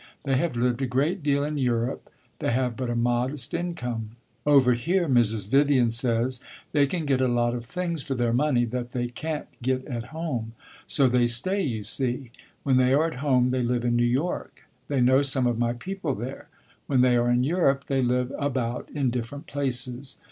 They have lived a great deal in Europe; they have but a modest income. Over here, Mrs. Vivian says, they can get a lot of things for their money that they can't get at home. So they stay, you see. When they are at home they live in New York. They know some of my people there. When they are in Europe they live about in different places.